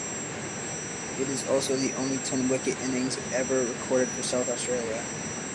It is also the only ten-wicket innings ever recorded for South Australia.